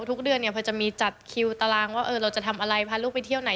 ทุกเดือนเนี่ยพอจะมีจัดคิวตารางว่าเราจะทำอะไรพาลูกไปเที่ยวไหน